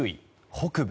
北部？